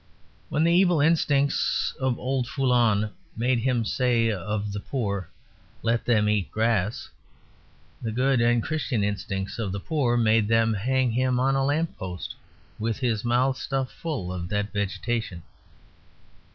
When the evil instincts of old Foulon made him say of the poor, "Let them eat grass," the good and Christian instincts of the poor made them hang him on a lamppost with his mouth stuffed full of that vegetation.